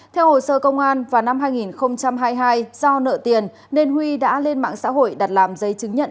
theo hồ sơ công an vào năm hai nghìn hai mươi hai do nợ tiền nên huy đã lên mạng xã hội đặt làm giấy chứng nhận